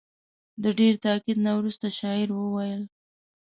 د ډېر تاکید نه وروسته شاعر وویل.